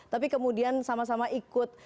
tapi kemudian sama sama ikut